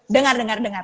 dengar dengar dengar